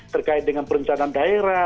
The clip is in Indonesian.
terkait dengan perencanaan daerah